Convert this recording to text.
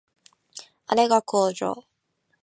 あれが工場